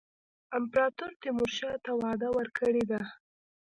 امپراطور تیمورشاه ته وعده ورکړې ده.